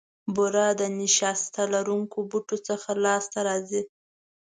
بوره د نیشاسته لرونکو بوټو څخه لاسته راځي.